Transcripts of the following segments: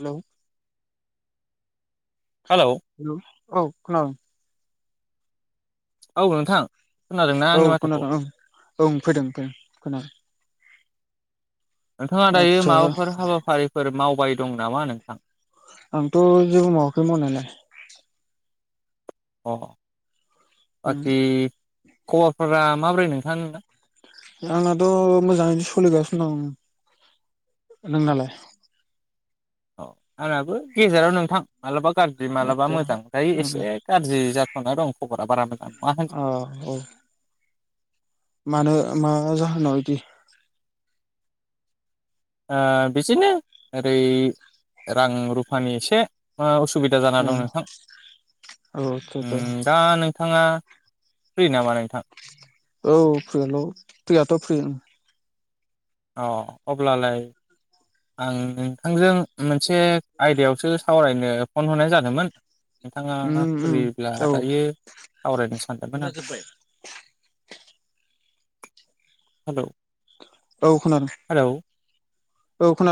हेल, hello हेल औ खोनादों। औ नोंथां। खोनादोंना औ आंनि माथोखौ खोनादों औं औं फैदों फैदों खोनादों। नोंथाङा दायो आदसा माबाफोर हाबाफारिफोर मावबाय दं नामा नोंथां? आंथ' जेबो मावाखै मावनायालाय। अ ओं बाखि खबरफोरा माब्रै नोंथां नोंना? आंनाथ' मोजाङैनो सोलिगासिनो दं नोंनालाय? अ आंनाबो गेजेराव नोंथां मालाबा [unintelligible] मालाबा आदसा मोजां दायो ओं एसे गाज्रि जाथ'ना दं खबरा बारा [unintelligible] ओ औ मानो मा जाहोनाव इदि ओ बिसिनो ओरै रां रुफानि एसे ओ उ सुबिदा जाना ओ दं नोंथां औ आदसा आदसा उम दा नों थाङा फ्रि नामा नोंथां? औ फ्रिल' फ्रियाथ' फ्रि अ अब्लालाय आं नोंथांजों मोनसे आयदायावसो सावरायनो फन हरनाय जादोंमोन। नोंथाङा उम उम फ्रिब्ला औ दायो सावरायनो सानदोमोन आं हेलौ। औ खोनादो। हेलौ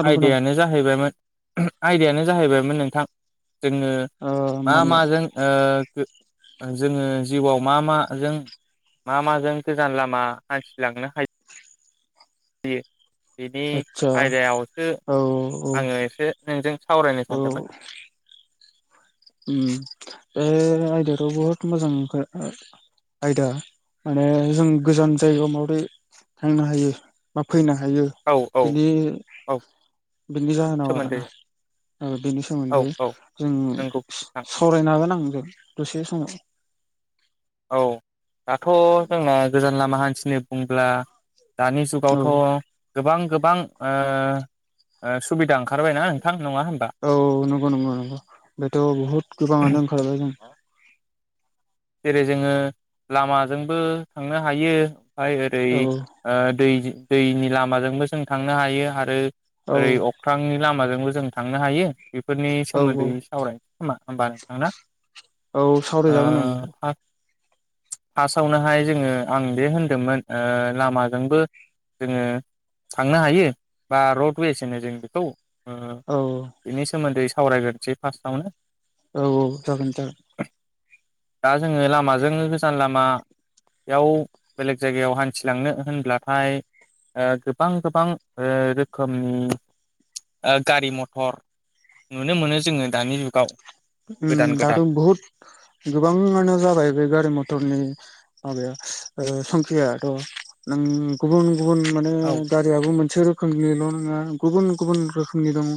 आयदायानो जाहैबायमोन आयदायानो जाहैबायमोन नोंथां जोङो ओ मा मानियाव माजों ओ बे ओ जोङो जिउआव मा माजों? मा माजों गोजान लामा हान्थिलांनो हा यो बिनि आदसा आयदायावसो औ औ आङो एसे नोंजों सावरायनो औ सानदोमोन। [inaudible] उम बे आयदायाथ' बहद मोजां [unintelligible] आयदा माने जों गोजान जायगायाव माबोरै थांनो हायो बा फैनो हायो औ औ बिनि औ बिनि जाहोनाव सोमोन्दै आरोना बेनि औ सोमोन्दै औ जोंनि नंगौ नोंथां सावरायन हागोन आंजों दसे समाव औ दाथ' जोंना गोजान लामा हान्थिनो बुंब्ला दानि औ जुगावथ' गोबां गोबां ओ बिदा ओंखारबायना नोंथां नङा होम औ नंगौ नंगौ नंगौ बेथ' बुहुद गोबाङानो ओंखारबाय जों जेरै जोङो लामाजोंबो थांनो हायो। [unintelligible] ओरै औ ओ दै दैनि लामाजोंबो जों थांनो हायो आरो। औ ओरै अख्रांनि लामाजोंबो जों थांनो हायो बेफोरनि औ सोमोन्दै सावरायनोसै खोमा होमबा नोंथांना औ सावरायजागोन [unintelligible] फासावनोहाय जोङो आं बे होनदोंमोन ओ लामाजोंबो जोङो थांनो हायो बा रडवेसो होनो जों बेखौ। ओ औ बिनि सोमोन्दै सावरायग्रोनोसै फास्टआवनो औ औ जागोन दा दा जोङो लामाजोंनो गोजान लामा बेयाव बेलेग जायगायाव हान्थिलांनो होनब्लाथाय ओ गोबां गोबां ओ रोखोमनि ओ गारि मथर नुनो मोनो जोङो दानि जुगाव उम गोदान दाथ गोदान बहुत गोबां आनो जा बाय बे गारि मथरनि माबाया ओ संखियाथ' नों गुबुन गुबुन माने औ गारियाबो मोनसे रोखोमनिल' नोङा गुबुन गुबुन रोखोमनि दङ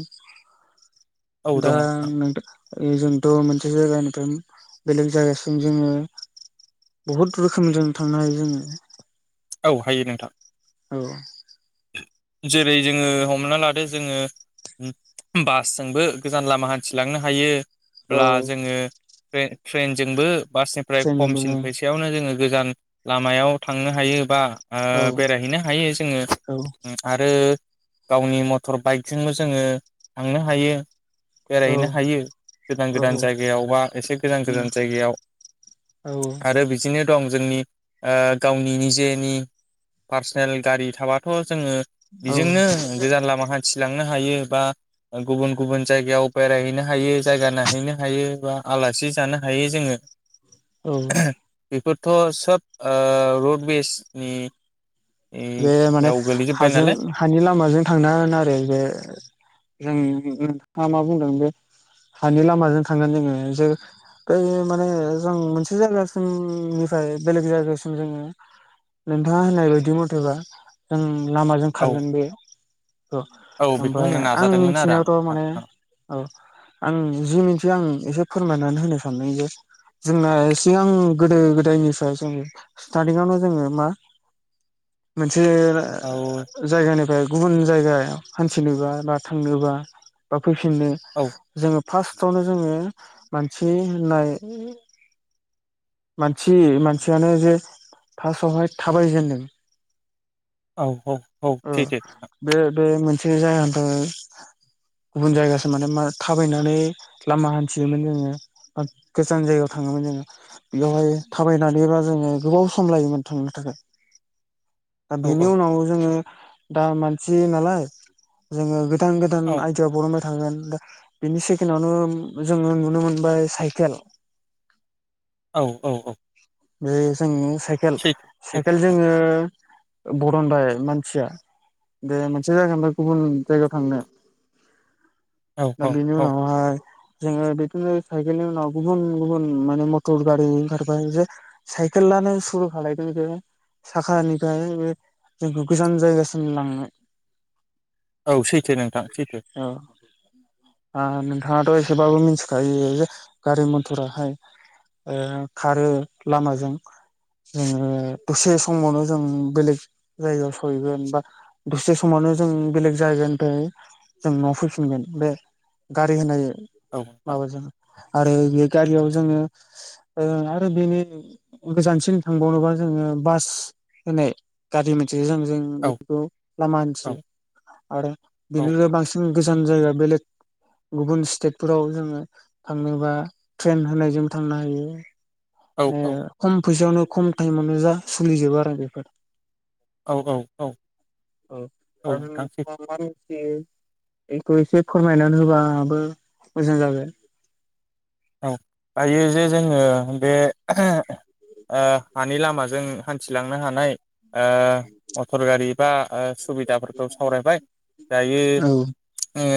औ दा दङ नोंथां नों खालि जोंथ' मोनसे जायगानिफ्राय बेलेग जायगासिम जोङो बहुद रोखोमजों थांनो हायो जोङो औ हायो नोंथां औ जेरै जोङो हमना लादो जोङो उम बासजोंबो गोजान लामा हान्थिलांनो हायो औ ब्ला जोङो थ्रे-थ्रेनजोंबो बासनिफ्राय ट्रेनजोंबो खमसिन फैसायावनो जोङो गोजान लामायाव थांनो हायो बा ओ औ बेरायहैनो हायो जोङो औ आरो गावनि मटर बाइकजोंबो जोङो थांनो हायो औ बेरायहैनो हायो गोदान गोदान जायगायाव बा एसे गोजान गोजान जायगायाव औ आरो बिदिनो दं जोंनि ओ गावनि निजेनि पार्सनेल गारि थाबाथ' जोङो औ बेजोंनो गोजान लामा हान्थिलां नो हायो बा गुबुन गुबुन जायगायाव बेरायहैनो हायो जायगा नायहैनो हायो आला सि जानो हायो जोङो औ थ' सब ओ रड वेसनि नि ने हाजों हानि लामाजों थांना नारो बे जों नोंथाङा मा बुंदों बे हानि लामाजों थांगोन जोङो जे ओइयो माने जों मोनसे जायगासिमनिफ्राय बेलेग जायगासिम जोङो नोंथाङा होननाय बायदि मथेबा जों लामाजों औ खारगोन बे अ औ बेखौ ओमफायो होननो आं नाजादोंमोन आरो आं मिथिनायावथ' माने नोंथां औ आं जि मिनथियो आं एसे फोरमायनानै होनो सानदों जे जोंना सिगां गोदो गोदायनिफ्राय जों स्टारदिंआ न जोङो मा [inaudible] जे आ औ जायगानिफ्राय गुबुन जायगायाव हान्थिनोबा बा थांनोबा बा फैफिननो औ जोङो फार्स्टावनो जोङो मानसि होननाय मानसि मानसियानो जे फार्स्टआवहाय थाबायजेनदों औ औ औ [unintelligible] ओ बे बे मोनसे जायानथो गुबुन जायगासिम माने मा थाबायनानै लामा हान्थियोमोन जोङो बा गोजान जायगा थाङोमोन जोङो एयावहाय थाबायनानैबा जोङो गोबाव सम लायोमोन थांनो थाखाय [inaudible] दा औ बेनि उनाव जोङो दा मानसि नालाय जोङो गोदान गोदान औ आदिया बरनबाय थाङोनदा बिनि सेकेनआवनो जोङो नुनो मोनबाय साइकेल औ औ औ बे जोंनि साइकेल सैथो सैथो साइकेल नोंथां जोङो बरनबाय मानसिया बे मोनसे जायगानिफ्राय गुबुन जायगायाव थांनो [inaudible] दा औ बिनि औ उनावहाय जोङो बिदिनो साइकेलनि उनाव गुबुन गुबुन माने मटर गारि ओंखारबाय जे साइकेला आनो सुरु खालायदों जे साखानि दायो बे जोंखौ गोजान जायगासिम लांनो औ सैथो नोंथां सैथो। आ नोंथाङाथ' एसेबाबो मोनथिखायो जे जे गारि मटराहाय ओ खारो लामाजों जोङो दसे समावनो जों बेलेग जायगायाव सहैगोन बा दसे समावनो जों बेलेग जायगानिफ्राय जों न'आव फैफिनगोन बे गारि होनाय औ नोंथां माबाजों आरो बेयो गारियाव जोङो ओ आरो बेनि गोजानसिन थांबावनोबा जोङो बास [unintelligible] गारि मोनस् सेजों जों औ बेखौ लामा औ हान्थियो आरो औ बिनिख्रुइ बांसिन गोजान जायगा बेलेग गुबुन स्टेटफोराव जोङो थांनोबा ट्रेन होननायजोंबो थांनो हायो औ [unintelligible] खम फैसायावनो खम टाइमावनो जा सोलिजोबो आरो बेफोर। औ औ औ औ आरो नोंथां सैथो मारै मारै बेयो बेखौ एसे फोरमायनानै होबाबो मोजां जागोन। औ दायो जे जोङो बे ओ हानि लामाजों हान्थिलांनो हानाय ओ मटर गारि बा ओ सुबिदाफोरखौ सावरायबाय दायो औ ओ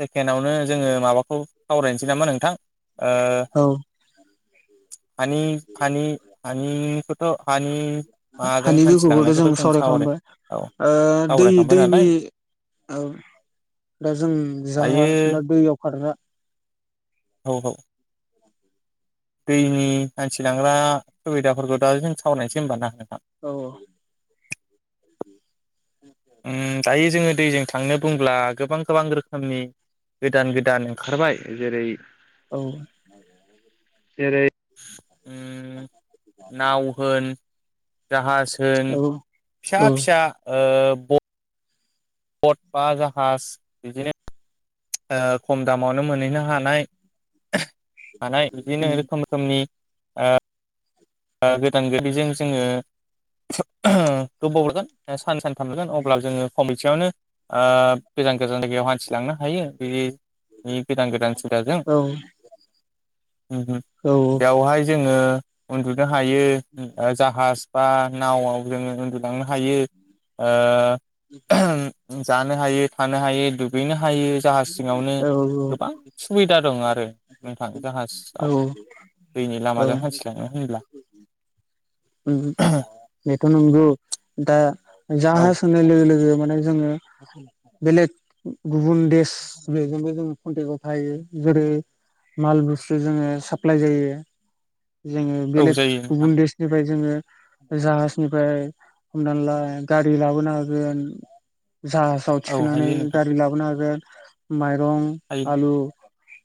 सेकेण्डआवनो जोङो माबाखौ सावरायनोसै नामा नोंथां औ ओ [unintelligible] माजों हानि बिखयखौथ' जों हान्थिलांनायखौथ' सावराय सावरायखांबाय औ ओ दै सावरायखांबाय दैनि नालाय औ दा जों जाहाज दायो बा दैयाव खारग्रा औ औ। दैनि हान्थिलांग्रा सुबिदाफोरखौ दा जों सावरायनोसै होमबा ना औ औ। उम दायो जोङो दैजों थांनो बुंब्ला गोबां गोबां रोखोमनि गोदान गोदान ओंखारबाय जेरै औ। जेरै उम नाव होन जाहाज होन औ फिसा औ फिसा ओ ब् बट बा जाहाज बिदिनो ओ खम दामावनो मोनैनो हानाय थानाय बिदिनो रोखोम रोखोमनि ओ ओ गोदान गोदिजों जोङो गोबाव हरगोन सान सान खामगोन अब्ला जोङो खमैसेयावनो ओ गोजान गोजान जायगायाव हान्थिलांनो हायो बिदि गोदान गोदान सुबिदाजों औ उम उम औ बेवहाय जोङो उन्दुनो हायो जाहाज बा नावआव जोङो उन्दुलांनो हायो ओ जानो हायो थानो हायो दुगैनो हायो जाहाज सिङावनो गोबां सुबिदा दं आरो नोंथां औ जाहाजाव दैनि औ लामाजों हान्थिलाङो ब्ला उम बेथ' नंगौ दा औ जाहाज होननाय लोगो लोगो माने जोङो बेलेग गुबुन देश बेजोंबो जो कन्टेक्टाव थायो जेरै माल बुस्थु जोङो साफ्लाइ जायो जोङो औ बेलेग जायो गुबुन नोंथां देश जोङो जाहाजनिफ्राय हमना ला गारि लाबोनो हागोन जाहाजाव औ थिखांनानै हायो नोंथां गारि लाबोनो हागोन माइरं, हायो आलु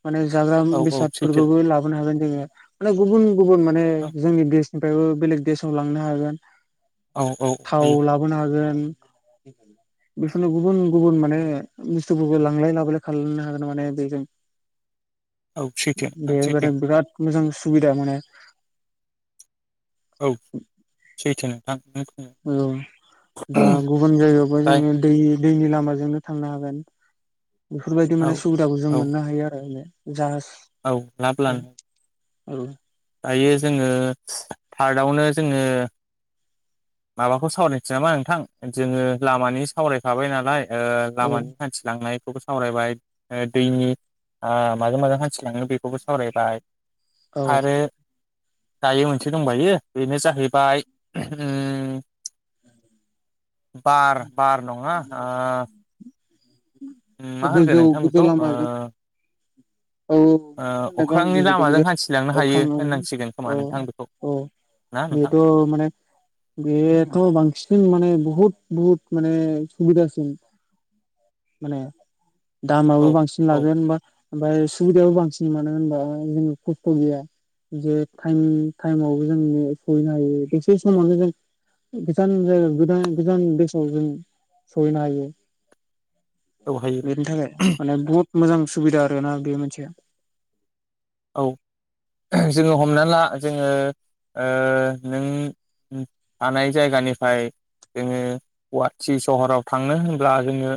माने जाग्रा औ औ सैथो बेसादफोरखौबो लाबोनो हागोन जोङो माने गुबुन गुबुन माने औ जोंनि देश निफ्रायबो बेलेग देशाव लांनो हागोन औ औ थाव हायो लाबोनो हागोन [unintelligible] बेफोरनो गुबुन गुबुन माने बुस्थुफोरखौ लांलाय लाबोलाय खालामनो हागोन माने बेजों [inaudible] सैथो नोंथां बे सैथो बिराद मोजां सुबिदा माने औ सैथो नोंथां नों औ दा गुबुन जायगायावबो जोङो दै दैनि लामाजोंनो थांनो हागोन बेफोरबायदि औ माने सुबिदाखौ जों औ मोननो हायो आरो माने जाहाज औ लाब लानो औ दायो जोङो थार्दआवनो जोङो माबाखौ सावरायनोसै नामा नोंथां जोङो लामानि सावरायखाबाय नालाय ओ औ लामानि हान्थिलांनाय बेखौबो सावरायबाय दैनि ओ माजों माजों हान्थिलाङो बेखौबो सावरायबाय औ आरो दायो मोनसे दंबायो बेनो जाहैबाय बार बार नङा ओ मा होनगोन गोजौ नोंथां गोजौ बेखौ ओ लामाजों औ ओ नोंथांमोनाबो आं अख्रांनि बुजिदों लामाजों जे हान्थिलांनो हायो अख्राङआव होननांसिगोन खोमा औ नोंथां बेखौ औ ना नोंथां बेथ' माने बेयोथ' बांसिन माने बहुत बहुत माने सुबिदासिन माने औ दामाबो बांसिन औ लागोनबा ओमफ्राय सुबिदायाबो बांसिन मोनानो होनबा जों खस्थ' गैया जे ाइम टाइमावबो जों सहैनो हायो बेसे समावनो जों गोजान ज गोजज बेसों सरि न हयो औ हायो बेनि थाखाय माने बहुत मोजां सुबिदा आरोना बे मोनसेया औ जोङो हमना ला जोङो नों थानाय जायगानिफ्राय जोङो गुवाहाटि सहराव थांनो होनब्ला जोङो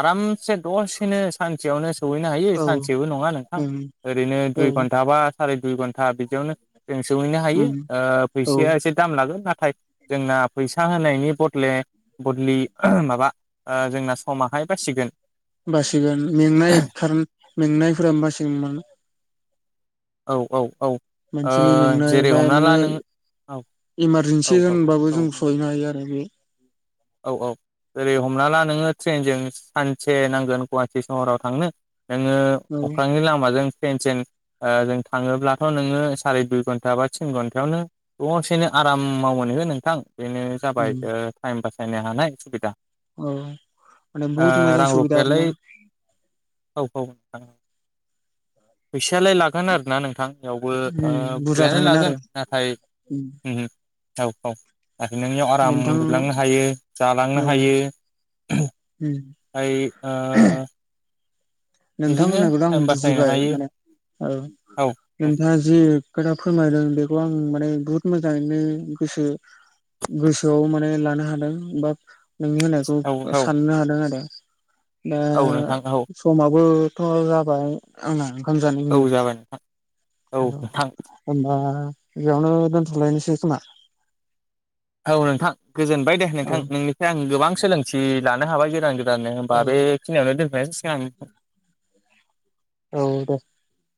आरामसे दसेनो सानसेयावनो सौहैनो हायो मोनसे औ सानसेबो नङा नोंथां उम ओरैनो औ दुइ घन्टा बा साराय दुइ घन्टा बिदियावनो जों सौहैनो हायो उम औ फैसाया एसे दाम लागोन नाथाय जोंना फैसा होनायनि बदले बदलि माबा जोंना समाहाय जाासिगोन बासिगोन मेंनाय खार मेंनायफोरा बासिगोनमोन औ औ औ मानसिनि मेंनाय जेरै बा हमना ला नोङो नों औ औ इमारजेन्सि औ होनबाबो औ जों सहैनो हायो आरो ज बे औ औ जेरै हमना ला नोङो ट्रेनजों सानसे नांगोन गुवाहाटि सहराव थांनो नोङो औ अख्रांनि लामाजों फ्लेनों थाङोब्लाथ' नोङो साराय दुइ घन्टा बािन घन्टायावनो गंसेनो आराम माव मोनो हो नोंथां बेनो जाबाय टाइम बासायनो हानाय सुबिदा औ आ बहुत मजा सुबबिदा आरोक ना [unintelligible] फैायलाय लागोन आर ना नोंथां बेयावबो बुरजा बुरजायानो थांगोन लागोन आरो नाथाय थाव फाव आरो नोंनियाव आराम नोंथां मोनुलांनो हायो जालांनो औ हायो [unintelligible] बिदिनो नोंथांमोनहाखौथ' आं टाइम बासायनो बुजिबाय हायो माने औ औ औ नोंथाङा जि खोथा फोरमायदों बेखौ आं माने बुहुद मोजाङैनो गोसो गोसोआव माने लानो हादों बा नोंनि होननायखौ औ साननो हादों आरो दा औ नोंथां औ समाबोथ' जाबाय आंना ओंखाम औ जानायनि जाबाय नोंथां औ नोंथां होमबा बेयावनो दोनथ'लायनोसै खोमा औ नोंथां गोजोनबाय दे औ नोंथां नोंनिफ्राय आं गोबां सोलोंथि लानो हाबाय गोदान गोदान [unintelligible] होनोमबा औ बेखिनियावनो [unintelligible] औ दे